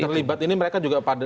terlibat ini mereka juga pada